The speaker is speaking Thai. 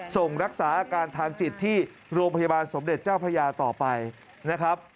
ส่งรักษาอาการทางจิตที่โรงพยาบาลสมเด็จเจ้าพระยาต่อไปนะครับ